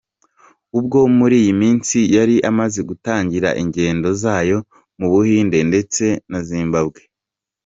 Ubwo muri iyi minsi yari imaze gutangira ingendo zayo mu Buhinde ndetse na Zimbabwe.